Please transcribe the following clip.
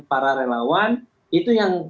para relawan itu yang